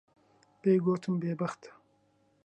پێی گوتم بێبەختە.